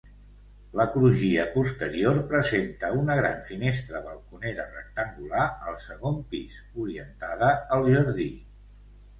La crugia posterior presenta una gran finestra balconera rectangular al segon pis, orientada al jardí.